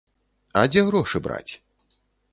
А дзе грошы браць?